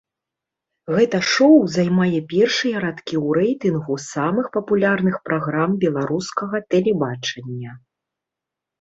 Гэта шоу займае першыя радкі ў рэйтынгу самых папулярных праграм беларускага тэлебачання.